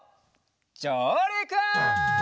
じょうりく！